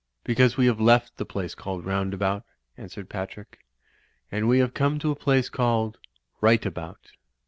"Because we have left the place called Rounda p bout/' answered Patrick, "and we have come to a 'y place called Rightabout."